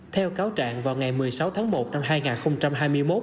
theo cáo trạng vào ngày một mươi sáu tháng một năm hai nghìn hai mươi một